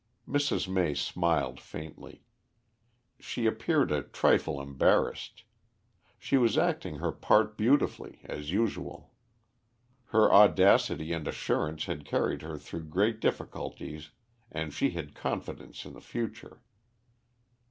Mrs. May smiled faintly. She appeared a trifle embarrassed. She was acting her part beautifully as usual. Her audacity and assurance had carried her through great difficulties and she had confidence in the future.